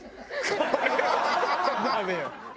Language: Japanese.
これはダメよ。